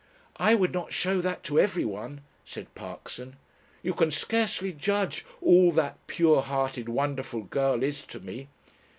"I would not show that to every one," said Parkson. "You can scarcely judge all that pure hearted, wonderful girl is to me."